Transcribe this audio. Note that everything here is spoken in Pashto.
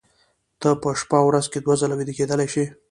ته په شپه ورځ کې دوه ځله ویده کېدلی شې